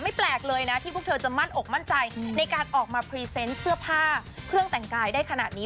แปลกเลยนะที่พวกเธอจะมั่นอกมั่นใจในการออกมาพรีเซนต์เสื้อผ้าเครื่องแต่งกายได้ขนาดนี้